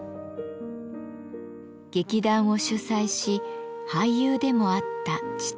劇団を主宰し俳優でもあった父。